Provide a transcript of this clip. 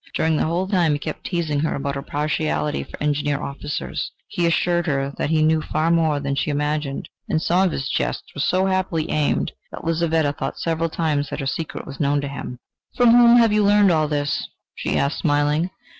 During the whole of the time he kept teasing her about her partiality for Engineer officers; he assured her that he knew far more than she imagined, and some of his jests were so happily aimed, that Lizaveta thought several times that her secret was known to him. "From whom have you learnt all this?" she asked, smiling.